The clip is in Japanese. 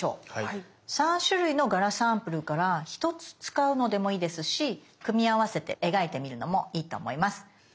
３種類の柄サンプルから１つ使うのでもいいですし組み合わせて描いてみるのもいいと思います。